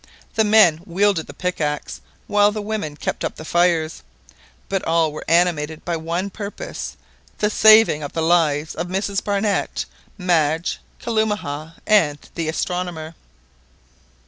The men wielded the pickaxe whilst the women kept up the fires; but all were animated by one purpose—the saving of the lives of Mrs Barnett, Madge, Kalumah, and the astronomer.